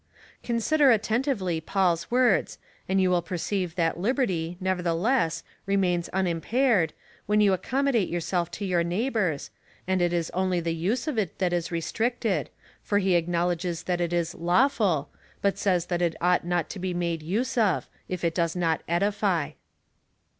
Consider atten tively Paul's words, and you will perceive that liberty, nevertheless, remains unimpaired, when you accommodate yourself to your neighbours, and that it is only the use of it that is restricted, for he acknowledges that it is lawful, but says that it ought not to be made use of, if it does not edify.